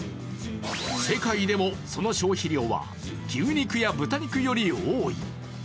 世界でもその消費量は牛肉や豚肉より多い。